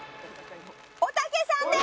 おたけさんです！